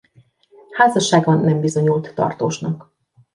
Házassága nem bizonyult tartósnak.